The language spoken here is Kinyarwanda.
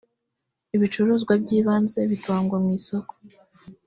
ibicuruzwa by’ ibanze bitangwa mwisoko.